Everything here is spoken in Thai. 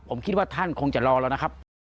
ผมคิดว่าท่านคงจะรอแล้วนะครับ